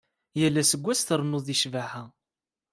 Yal aseggas trennud deg ccbaḥa.